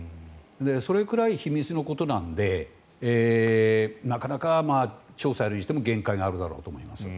それくらい秘密のことなのでなかなか調査をやるにしても限界があるだろうと思います。